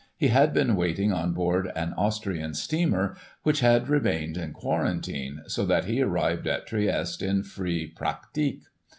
He had been waiting on board an Austrian steamer,, which had remained in quarantine, so that he arrived at Trieste in free pratique.